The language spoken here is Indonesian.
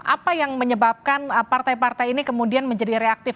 apa yang menyebabkan partai partai ini kemudian menjadi reaktif